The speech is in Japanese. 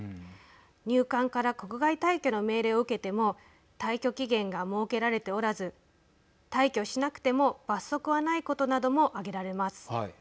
入管から国外退去の命令を受けても退去期限が設けられておらず退去しなくても罰則はないことなども挙げられます。